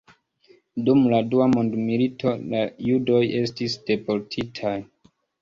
Dum la dua mondmilito la judoj estis deportitaj.